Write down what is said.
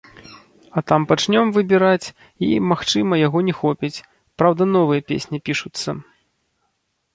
А там пачнём выбіраць і, магчыма, яго не хопіць, праўда новыя песні пішуцца.